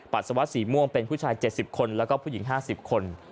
ปัสสาวะสีม่วงเป็นผู้ชาย๗๐คนแล้วก็ผู้หญิง๕๐คน